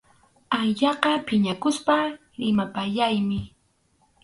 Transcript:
Anyayqa phiñakuspa rimapayaymi.